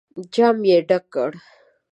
جام يې ډک کړ.